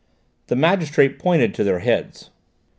The magistrate pointed to their heads.